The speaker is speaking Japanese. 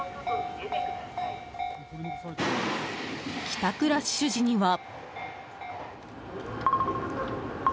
帰宅ラッシュ時には。